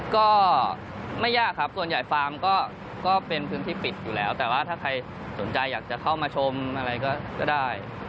ก็ไม่ยากครับส่วนใหญ่ฟาร์มก็เป็นพื้นที่ปิดอยู่แล้วแต่ว่าถ้าใครสนใจอยากจะเข้ามาชมอะไรก็ได้